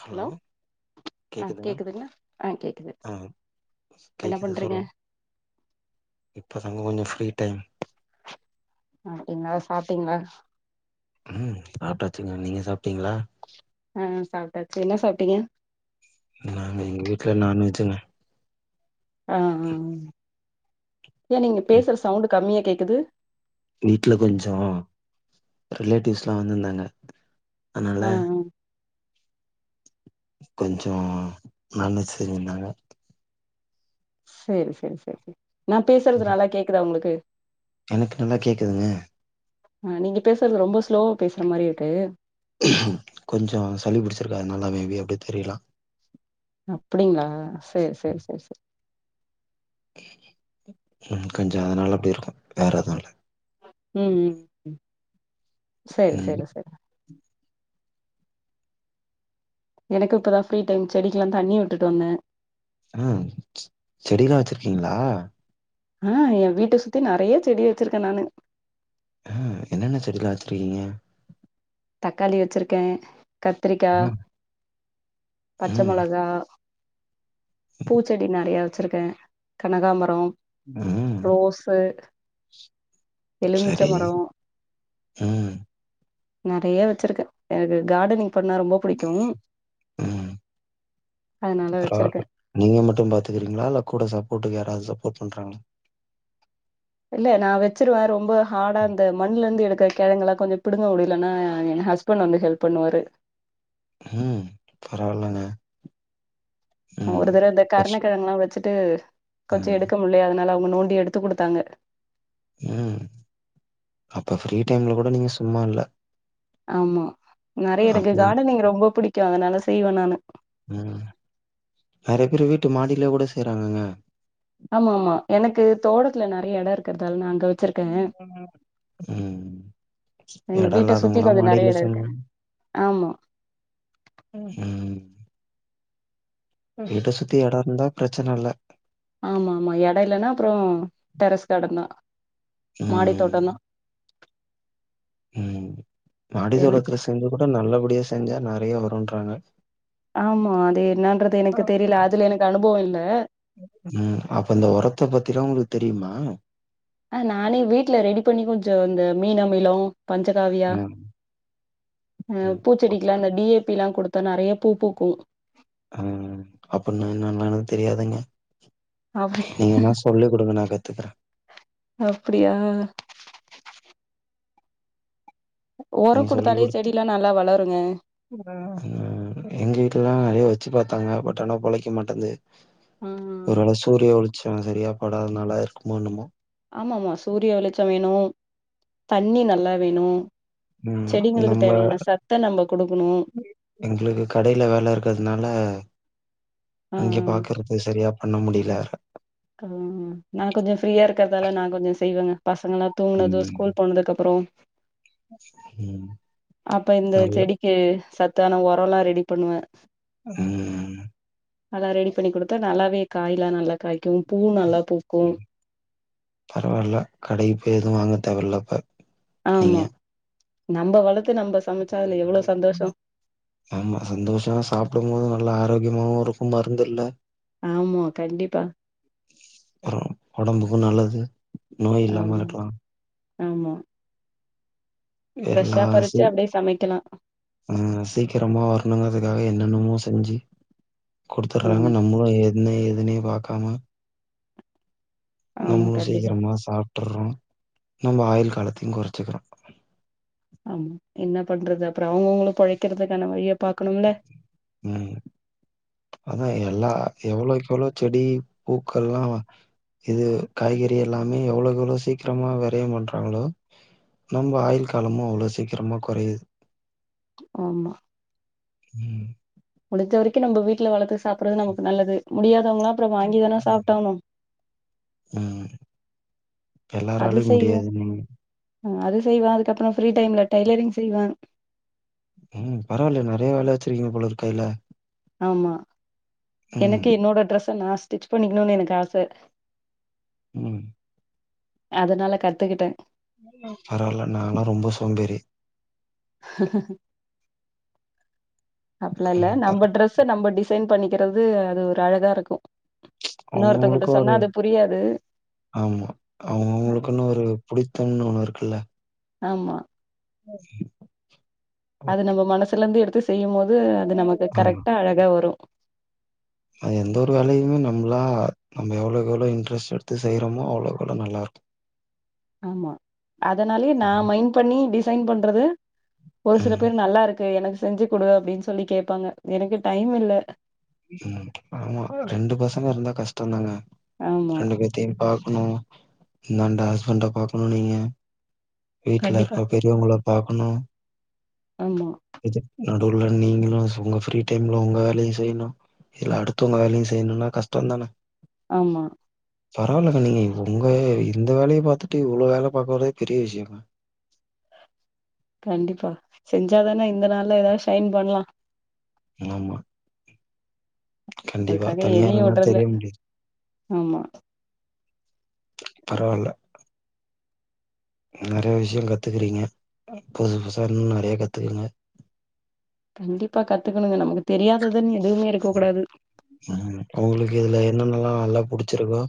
Hello ஆ கேக்குதுங்க கேக்குதுங்களா ஆ கேக்குது அ என்ன கேக்குது பண்றீங்க சொல்லுங்க இப்போ தாங்க கொஞ்சம் ஃப்ரீ டைம் ம் இந்நேர் சாப்ட்டிங்ளா ம் சாப்ட்டாச்சுங்க நீங்க சாப்ட்டீங்களா ம் சாப்ட்டாச்சு என்ன சாப்ட்டீங்க நாங்க எங்க வீட்ல நான்வெஜ்ங்க ஆ ம் சார் நீங்க வீட் பேசுற சவுண்டு கம்மியா கேக்குது வீட்ல கொஞ்சோ ரிலேட்டிவ்ஸ்லா வந்திருந்தாங்க அன்னால ஆ ஆ கொஞ்சோ நான் வெஜ் செஞ்சிந்தாங்க சேரி செரி செரி செர் நா பேசுறது நல்லா கேக்குதா உங்ளுக்கு எனக்கு நல்லா கேக்குதுங்க அ நீங்க பேசுறது ரொம்ப ஸ்லோவா பேசுற மாரி இருக்கு கொஞ்சம் சளி பிடிச்சிருக்கா அதனால அமைதியா அப்டி தெரிலா அப்டிங்ளா சேரி சேரி சேரி சேரி ம் கொஞ்சோ அதனால அப்டி இருக்கும் வேற எதும் இல்ல ம் ம் செரி ம் செரி செரி எனக்கு இப்பதா ஃப்ரீ டைம் செடிக்லா தண்ணி உட்டுட் வந்த ம் செடிலா வச்சிருக்கீங்ளா ஆ ஏ வீட்ட சுத்தி நெறையா செடி வச்சிருக்கே நானு ம் என்னென்ன செடிலா வச்சிருக்கீங்க தக்காளி வச்சிருக்கே கத்தரிக்கா ம் பச்ச ம் மொளகா பூச்செடி நெறையா வச்சிருக்கே கனகாபரோ ம் ரோஸ்ஸு எலுமிச்ச சரி மரோ ம் நெறையா வச்சிருக்கே எனக்கு கார்டனிங் பண்ணா ரொம்ப புடிக்கு ம் அதனால வச்சிருக்கே பரவாயில்ல நீங்க மட்டு பாத்துக்கீரிங்களா இல்ல கூட சப்போட்டுக்கு யாராவது சப்போர்ட் பண்றாங்களா இல்ல நா வச்சிருவே ரொம்ப ஹார்டா இந்த மண்ணுல இருந்து எடுக்கிற கெழங்கல்லா கொஞ்சோ பிடுங்க முடியலன்னா ஏ ஹஸ் ஹஸ்பன்ட் வந்து ஹெல்ப் பண்ணுவாரு ம் பரவாயில்லங்க ஒரு தறவ இந்த கருணக்கெழங்குல்லா வச்சிட்டு கொஞ்சோ ம். எடுக்க முடியலையா அதனால அவங்க நோண்டி எடுத்துக் குடுத்தாங்க ம் அப்ப ஃப்ரீ டைம்ல கூட நீங்க சும்மா இல்ல ஆமா நெறைய எனக்கு அப்படி கார்டனிங் ரொம்ப பிடிக்கு அதனால செய்வே நானு ம் நெறைய பேரு வீட்டு மாடிலயே கூட செய்றாங்கங்க ஆமா ஆமா எனக்கு தோட்டத்துல நெறையா எடோ இருக்கறதால நா அங்க வச் ம் ஹு ம் எங்க எடோ வீட்ட சுத்தி இல்லாதவங்கல்லா கொஞ்சோ நெறைய மாடில எடோ இருக்கு சங்கமம் ஆமா உம் வீட்ட சுத்தி எடோ இருந்தா பிரச்சன இல்ல ஆமா ஆமா எடைலனா அப்றோ டெரஸ் கார்டன் தா ம். மாடித்தோட்டந்தா ம் மாடி எனக்கு தோட்டத்துல செஞ்சா கூட நல்லபடியா செஞ்சா நறைய வருன்றாங்க ஆமா அது என்னன்றது எனக்கு தெரல அதுல எனக்கு அனுபவோ இல்ல ம் அப்ப இந்த ஒரத்த பத்திலா உங்களுக்கு தெரியுமா ஆ நானே வீட்ல ரெடி பண்ணி கொஞ்சோ இந்த மீன மகிழம் பஞ்சக்காவியா ம். ஆ ம் பூச்செடிக்குல்லா அப்ப அந்த டி ஏ பி ல்லா குடுத்தா நெறைய பூ பூக்கு ஆ அப்புடின்னா என்னன்லா எனக்கு தெரியாதுங்க அப்டி நீங்க என்ன சொல்லி குடுங்க நா கத்துக்குறே அப்டியா உரோ நீங்க சொல்லி் குடுத்தாலே குடுத்து செடிலா நல்லா வளருங்க ம் எங்க வீட்லலா நறைய வச்சு பாத்தாங்க பட் ஆனா பொழைக்க மாட்டது ம் ஒருவேள சூரிய வெளிச்சம் சரியா படாத னால இருக்குமோ என்னுமோ ஆமா ஆமா சூரிய வெளிச்சோ வேணு தண்ணி நல்லா வேணு ம் செடிங்களுக்கு நம்ப தேவையான சத்த நம்ம குடுக்குணு எங்களுக்கு கடைல வேல இருக்கறதுனால ஆ இங்க ஆ பாக்குறது சரியா பண்ண முடில ம் ம் நா கொஞ்சோ ஃப்ரீயா இருக்கறதால நா கொஞ்சோ செய்வேங்க பசங்கலா தூங்னதும் ம் ஸ்கூல் போனதுக்குப்புறோ ம் அப்ப இந்த நல்ல செடி சத்தான ஒரல்லா ரெடி பண்ணுவ ம் அதா ரெடி பண்ணி குடுத்து நல்லாவே காய்லா நல்லா காய்க்கு பூ நல்லா பூக்கு பரவால்ல கடைக்கு போய் எதுவு வாங்க தேவலப்ப ஆமா நம்ம வளத்து நம்ம சமைச்சா அதுல எவ்ளோ சந்தோஷோ ஆமா சந்தோஷமா சாப்டும்போது நல்லா ஆரோக்கியமாவு இருக்கு மருந்துல்ல ஆமா கண்டிப்பா ஆ ஒடம்புக்கு நல்லது நோய் இல்லாம ஆமா இருக்லா ஆமா ஃப்ரெஷ்ஷா பறிச்சு அப்டியே சமைக்கலா ஆ சீக்கிரமா வர்ணுங்கறதுக்காக என்னென்னமோ செஞ்சு குடுத்துர்றாங்க ஆமா நம்ம போயி என்ன ஏதுனே பாக்காம ஆமா நம்முளு கண்டிப்பா சீக்கரமா சாப் விட்டுர்றோ நம்ப ஆயில் காலத்தையு கொறைச்சிக்குறோ ஆமா என்ன பண்றது அப்றோ அவுங்கவுங்களு பொழைக்கறதுக்கான வழிய பாக்கணும்ல அதா எல்லா எவ்வளோக்கு எவ்ளோ செடி பூக்கள்லா இது காய்கறி எல்லாமே எவ்ளோக் எவ்ளோ சீக்கரமா வெரயோ பண்றாங்களோ நம்ம ஆயுள் காலமு அவ்ளோ சீக்கிரமாக கொறைது ஆமா ம் முடிஞ்ச வரைக்கு நம்ம வீட்ல வளத்து சாப்புர்றது நமக்கு நல்லது முடியாதவங்களா அப்றோ வாங்கி ம் தான சாப்ட்டாவுணு ம் எல்லாராலயு முடியாது [inaudible] ஆ அது செய்வ அதுக்கப்புறோ ஃப்ரீ டைம்ல டைலரிங் செய்வ ம் பவால்லயே நறைய வேல வச்சிருக்கீங்க போலருக் கைல ஆமா ம் எனக்கு என்னோட ட்ரெஸ்ஸ நா ஸ்டிச் பண்ணிக்கணுன் எனக்கு ஆச ம் அதனால கத்துக்கிட்ட பரவால்ல நால்லா ரொம்ப சோம்பேறி [unintelligible] அப்லா இல்ல ம் நம்ம பரவா டிரஸ்ஸ நம்ம டிசைன் பண்ணிக்கிறது அது ஒரு அழகா இருக்கு இன்னொருத்தங்கிட்ட அவங்கவுங்களுக்கு ஒரு சொன்னா அது புரியாது ஆமா அவங்க அவங்களுக்குன்னு ஒரு புடித்தம்னு ஒண்ணு இருக்குல்ல ஆமா ஓ அது நம்ம மனசுலந்து எடுத்து செய்யும் போது அது நமக்கு கரெக்ட்டா அழகா வரு நா எந்த ஒரு வேலயுமே நம்ளா நம்ம எவ்ளக்கெவ்ளோ இன்ட்ரெஸ்ட் எடுத்து செய்றமோ அவ்ளக்கெவ்ளோ நல்லா இருக்கு ஆமா அதனாலேயே நா மைண் பண்ணி டிசைன் பண்றது ஒரு சில ம் பேர் நல்லா இருக்கு எனக்கு செஞ்சு குடு அப்டின் சொல்லி கேப்பாங்க எனக்கு டைம் இல்ல ம் ஆமா ரெண்டு பசங்க இருந்தா கஷ்டோதாங்க ஆமா ரெண்டு பே தையு பாக்கணு இந்தாண்ட ஹஸ்பண்ட பாக்கணு நீங்க வீட்ல கண்டிப்பா இருக்க பெரியவங்கள பாக்கணு ஆமா இதுக் நடுவுல நீங்களு உங்க ஃப்ரீ டைம்ல உங்க வேலயு செய்யணு இதுல அடுத்தவங்க வேலயு செய்யணுன்னா கஷ்டோந்தான ஆமா பரவால்லக்கா நீங்க இங்க உங்க இந்த வேலய பாத்துட்டு இவ்ளோ வேல பாக்க வர்றதே பெரிய விஷ்யோ கண்டிப்பா செஞ்சாதான இந்த நாள்ல ஏதாவது ஷைன் பண்லா ஆமா கண்டிப்பா. அதுக்காக தனியா எதையு இல்லன்னா உடுறல்ல தெரிய முடியாது. ஆமா பரவால்ல நறைய விஷயோ கத்துக்குறீங்க புதுசு புதுசா இன்னு நறைய கத்துக்கங்க கண்டிப்பா கத்துக்கணுங்க நமக்கு தெரியாததனு எதுவுமே இருக்க கூடாது உங்களுக்கு இதுல என்னன்னல்லா நல்லா புடிச்சிருக்கோ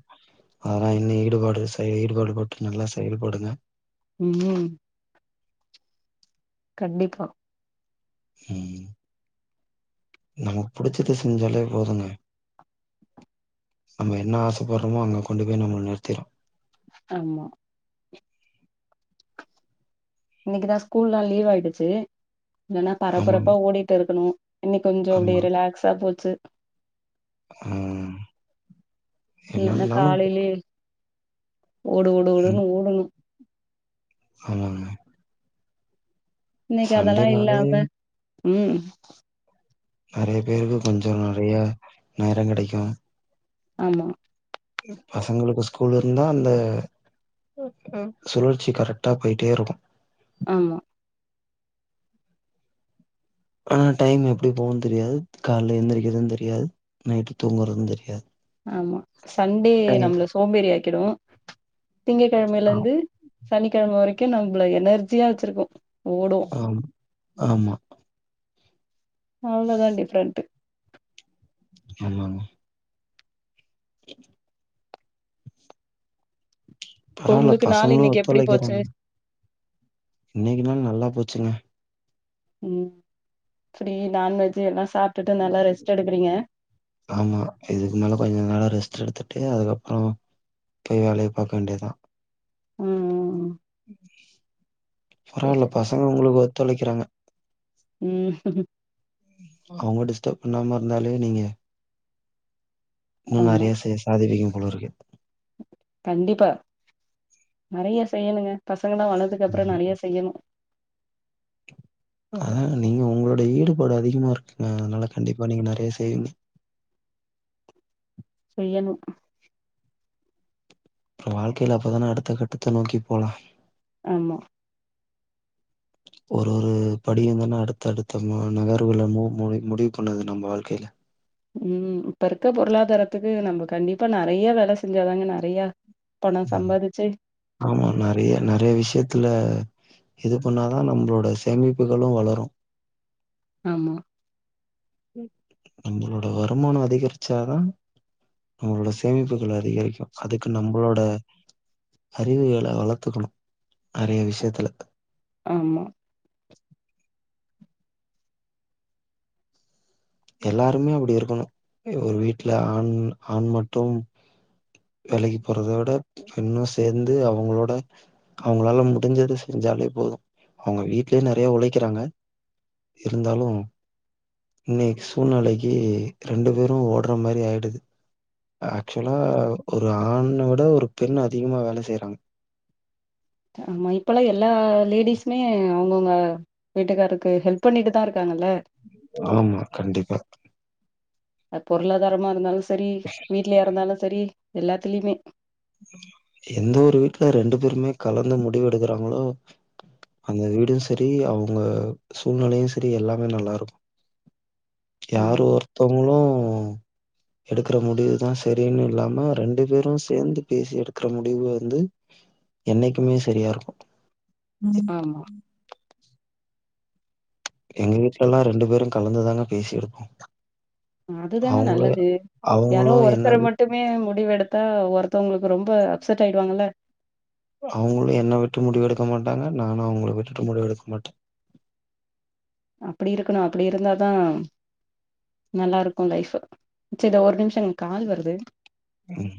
அதுல இன்னு ஈடுபாடு செய ஈடுபாடுபட்டு நல்லா செயல்படுங்க ம் ம் கண்டிப்பா ம் நமக்கு புடிச்சது செஞ்சாலே போதுங்க நம்ம என்ன ஆசைப்படுறோமோ அங்க கொண்டு போய் நம்மள நிறுத்திரு ஆமா இன்னைக்குதா ஸ்கூல்லா லீவ் ஆயிடுச்சு இல்லன்னா ஆமாங்க. பரபரப்பா ஓடிட்டு இருக்கணு இன்னிக்கு கொஞ்சோ ஆமா. அப்டியே ரிலக்ஸா போச்சு ம் என்ன இல்லன்னா இருந்தாலு காலையிலயே ஓடு ஓடு ஓடுணு ம். ஓடுணோ ஆமாங்க இன்னைக்கி அதெல்லா சண்டேனாலே இல்லாம ம் நறைய பேருக்கு கொஞ்சோ நறைய நேரோ கடைக்கு ஆமா எ பசங்களுக்கு ஸ்கூல் இருந்தா அந்த சுழற்சி கரெக்டா போய்ட்டே இருக்கு ஆமா ஆனா டைம் எப்டி போவுன் தெரியாது கால்லே எந்திக்கிறது தெரியாது நைட்டு் தூங்குறது தெரியாது ஆமா சண்டே டைம் நம்ள சோம்பேறி ஆக்கிடு திங்க ஆ கெழமையிலந்து சனிக்கெழம வரைக்கு நம்மள எனர்ஜியா வச்சிருக்கு ஓடு ஆம் ஆமா அவ்ளோதா டிஃப்ரெண்ட்டு ஆமாமா பரவால உங்களுக்கு நாள் பசங்களு இன்னைக்கு எப்டி போச்சு ஒத்துழைக்கிறாங் இன்னிக்கு நாள் நல்லா போச்சிங்க ம் ஃப்ரீ நான்வெஜ்ஜூ எல்லா சாப்ட்டுட்டு நல்லா ரெஸ்ட் எடுக்றீங்க ஆமா இதுக்கு மேல கொஞ்சோ நல்லா ரெஸ்ட் எடுத்துட்டு அதுக்கப்றோ போயி வேலய பாக்க வேண்டியதா ம் சரி பரவால்ல சரி பசங்க ஒங்ளுக்கு ஒத்துழைக்கிறாங்க ம் அவங்க டிஸ்டப் பண்ணாம இருந்தாலே நீங்க இன்னு ஆமா நெறையா செ சாதிப்பிங்க போலருக்கு கண்டிப்பா நெறைய செய்யணுங்க பசங்கலா வளந்துக்கு ம் அப்றோ நெறைய செய்யணு ஆ நீங்க ஒங்களோட ஈடுபாடு அதிகமா இருக்குங்க அதுனால கண்டிப்பா நீங்க நெறைய செய்வீங்க செய்யனு வாழ்கையில அப்பதான அடுத்த கட்டத்த நோக்கி போலா ஆமா ஒரு ஒரு படியுந்தான அடுத்த அடுத்த மூ நகர்வுகல மு முடி முடிவு பண்ணுது நம்ம வாழ்க்கையில ம் இப்ப இருக்க பொருளாதாரத்துக்கு நம்ம கண்டிப்பா நறைய வேல செஞ்சாதாங்க நறைய பணோ ம். சம்பாதிச்சு ஆமா நெறைய நெறைய விஷயத்துல இது பண்ணாதா நம்பளோட சேமிப்புகளு வளரு ஆமா எங்ளோட வருமானோ அதிகரிச்சாதா நம்மளோட சேமிப்புகள் அதிகரிக்கு அதுக்கு நம்பளோட அறிவுகள வளத்துக்குணு நெறைய விஷயத்துல ஆமா எல்லாருமே அப்படி இருக்கணு ஒரு வீட்ல ஆண் ஆண் மட்டு வேலைக்கு போறத விட பெண்ணு சேந்து அவுங்களோட அவுங்களால முடிஞ்சத செஞ்சாலே போது அவுங்க வீட்லயே நெறைய உழைக்கிறாங்க இருந்தாலு இன்னைக்கு சூழ்நலைக்கி ரெண்டு பேரு ஓடுற மாரி ஆயிடுது ஆக்சுவலா ஒரு ஆண்னவிட ஒரு பெண் அதிகமா வேல செய்றாங்க ஆமா இப்பல்லா எல்லா லேடிஸ்மே அவுங்கவுங்க வீட்டுக்காருக்கு ஹெல்ப் பண்ணிட்டுதா இருக்காங்கல்ல ஆமா கண்டிப்பா அது பொருளாதாரமா இருந்தாலு சரி வீட்லயா இருந்தாலு சரி எல்லாத்துலியுமே எந்த ஒரு வீட்டுல ரெண்டு பேருமே கலந்து முடிவு எடுக்குறாங்களோ அந்த வீடூ செரி அவுங்க சூழ்நெலையு செரி எல்லாமே நல்லா இருக்கு யாரோ ஆமா ஒர் ஒர்த்தங்ளு எடுக்குற முடிவுதா சரினு இல்லாம ரெண்டு பேரு சேந்து பேசி எடுக்கற முடிவு வந்து என்னைக்குமே செரியா இருக்கு ம் எங்க வீட்லல்லா ரெண்டு பேரு கலந்துதாங்க பேசி எடுப்போ அதுதாங்க நல்லது யாரோ அவங்களும் என்ன ஒருத்தர மட் விட் மட்டுமே முடிவு எடுத்தா ஒருத்தவங்ளுக்கு ரொம்ப அப்செட் ஆயிடுவாங்கல்ல அவுங்களு என்ன விட்டு முடிவு எடுக்க மாட்டாங்க நானு அவுங்கள விட்டுட்டு முடிவு எடுக்க மாட்டே அப்டி இருக்கணு அப்டி இருந்தாதா நல்லாருக்கும் லைஃப் சரி ஒரு நிமிஷங்ககால் வருது ப்ரோ